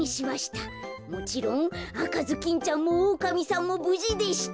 もちろんあかずきんちゃんもオオカミさんもぶじでした。